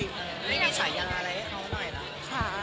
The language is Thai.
มีชายาอะไรเรียกกันหน่อยละ